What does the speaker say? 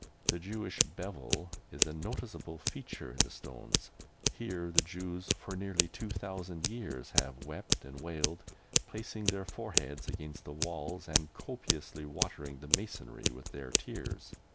The Jewish "bevel" is a noticeable feature in the stones. Here the Jews for nearly two thousand years have wept and wailed, placing their foreheads against the walls and copiously watering the masonry with their tears.